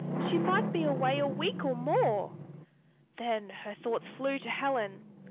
She might be away a week or more. Then her thoughts flew to Helen.